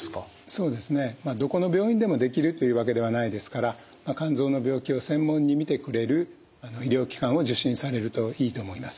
そうですねどこの病院でもできるというわけではないですから肝臓の病気を専門に診てくれる医療機関を受診されるといいと思います。